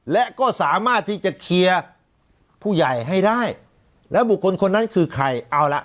และก็สามารถที่จะเคลียร์ผู้ใหญ่ให้ได้แล้วบุคคลคนนั้นคือใครเอาล่ะ